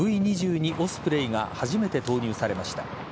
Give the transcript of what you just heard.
オスプレイが初めて導入されました。